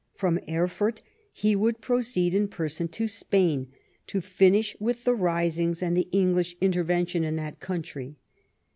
From Erfurt he would proceed in person to Spain, to finish with the risings and the English intervention in that country.